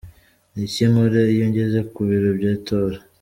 Ni iki nkora iyo ngeze ku biro by’itora?.